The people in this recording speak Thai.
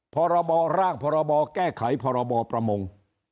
ภรรบอร่างภรรบอแก้ไขภรรบอประโมง